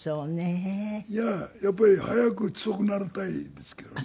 いややっぱり早く強くなりたいですけどね。